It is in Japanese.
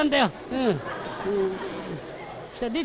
うん。